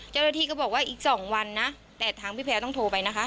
เจ้าหน้าที่ก็บอกว่าอีก๒วันนะแต่ทางพี่แพรต้องโทรไปนะคะ